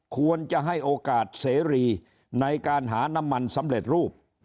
ควรจะให้โอกาสเสรีในการหาน้ำมันสำเร็จรูป